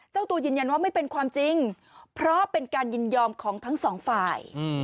เจ้าตัวยืนยันว่าไม่เป็นความจริงเพราะเป็นการยินยอมของทั้งสองฝ่าย